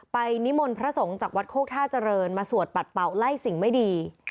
นิมนต์พระสงฆ์จากวัดโคกท่าเจริญมาสวดปัดเป่าไล่สิ่งไม่ดี